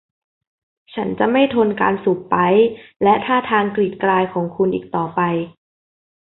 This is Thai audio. ฉันจะไม่ทนการสูบไปป์และท่าทางกรีดกรายของคุณอีกต่อไป